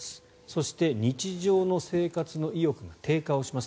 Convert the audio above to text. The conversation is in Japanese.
そして日常の生活の意欲が低下します。